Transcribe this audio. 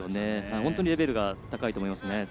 本当にレベルが高いと思います。